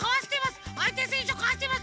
あいてせんしゅをかわしてます。